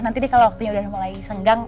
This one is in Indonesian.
nanti nih kalo waktunya udah mulai senggang